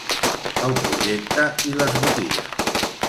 El projecte i les botigues